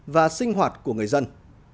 và sinh hoạt của người dân